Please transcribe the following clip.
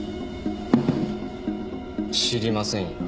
知りませんよ。